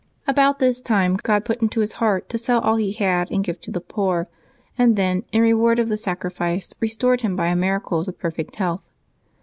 About this time God put it into his heart to sell all he had and give to the poor, and then in reward of the sacrifice restored him by a miracle to perfect health.